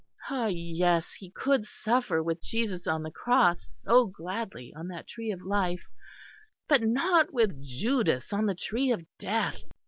Ah! yes, he could suffer with Jesus on the Cross, so gladly, on that Tree of Life but not with Judas on the Tree of Death!